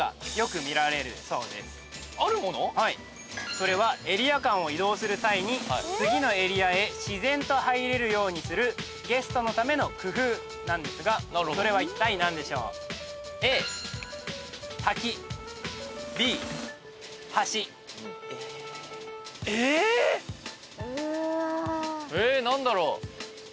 それはエリア間を移動する際に次のエリアへ自然と入れるようにするゲストのための工夫なんですがそれはいったい何でしょう？えっ！？何だろう。